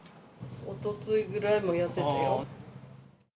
おとついぐらいもやってたよ。